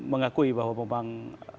mengakui bahwa memang